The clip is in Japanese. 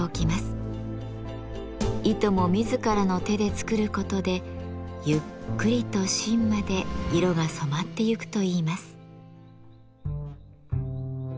糸も自らの手で作ることでゆっくりと芯まで色が染まってゆくといいます。